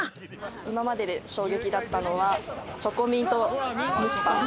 今までで衝撃だったのは、チョコミント蒸しパン。